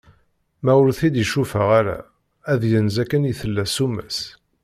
Ma ur t-id-icufeɛ ara, ad yenz akken i tella ssuma-s.